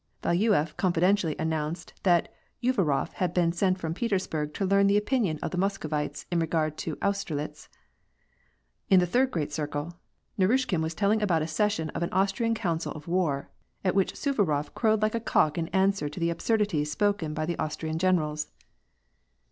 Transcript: Valuyef confidentially announced that Uvarof had been sent from Petersburg to learn the opinion of the Moscovites in re gard to Austerlitz. In the third great circle, Naniishkin was telling about a session of an Austrian council of war at which Suvarof crowed like a cock in answer to the absurdities spoken by the Austrian generals.